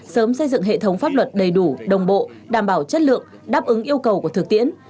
sớm xây dựng hệ thống pháp luật đầy đủ đồng bộ đảm bảo chất lượng đáp ứng yêu cầu của thực tiễn